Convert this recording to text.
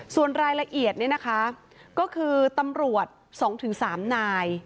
ส่วนรายละเอียดเนี่ยนะคะก็คือตำรวจ๒๓นาย